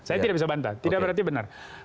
saya tidak bisa bantah